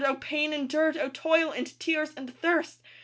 O pain endured! O toil and tears and thirst!